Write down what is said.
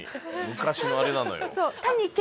昔のあれなのよ。